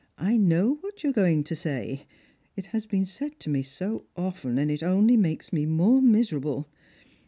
I know what you are going to say; it has been said to me so often, and it only makes me more miserable.